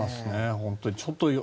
本当にちょっと。